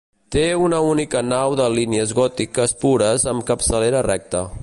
Té una única nau de línies gòtiques pures amb capçalera recta.